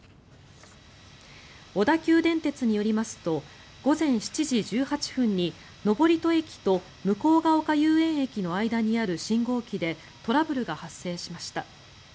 小田急電鉄によりますと午前７時１８分に登戸駅と向ヶ丘遊園駅の間にある信号機でトラブルが発生しました。